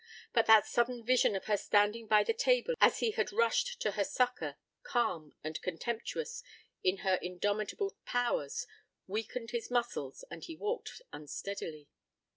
But that sudden vision of her standing by the table as he had rushed to her succor, calm and contemptuous in her indomitable powers, weakened his muscles and he walked unsteadily.